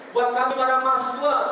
buat kami para masyarakat